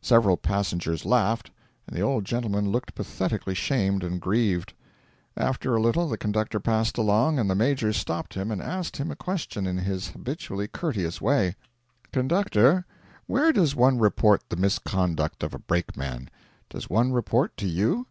Several passengers laughed, and the old gentleman looked pathetically shamed and grieved. After a little the conductor passed along, and the Major stopped him and asked him a question in his habitually courteous way: 'Conductor, where does one report the misconduct of a brakeman? Does one report to you?'